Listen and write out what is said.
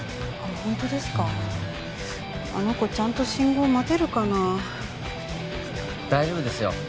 うんあの子ちゃんと信号待てるかな大丈夫ですよ